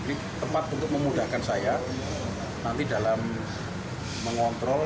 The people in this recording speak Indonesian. ini tempat untuk memudahkan saya nanti dalam mengontrol